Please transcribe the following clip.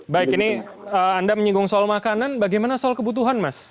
baik ini anda menyinggung soal makanan bagaimana soal kebutuhan mas